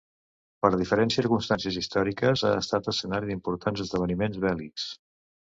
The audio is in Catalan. Per diferents circumstàncies històriques ha estat escenari d'importants esdeveniments bèl·lics.